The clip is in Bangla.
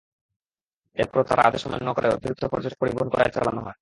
এরপরও তাঁরা আদেশ অমান্য করে অতিরিক্ত পর্যটক পরিবহন করায় চালানো হয়।